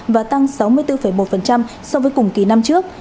và tăng sáu mươi bốn một so với cùng kỳ năm trước